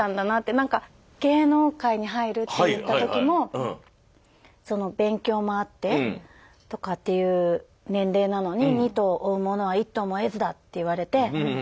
何か芸能界に入るって言った時もその勉強もあってとかっていう年齢なのに二兎追う者は一兎も得ずだって言われて。